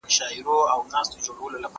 زه پرون لاس مينځلی و!.